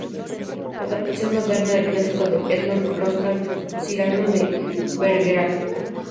Adaptación moderna del clásico de Edmond Rostand Cyrano de Bergerac.